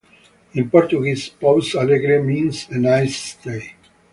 In Portuguese, "Pouso Alegre" means "a nice stay".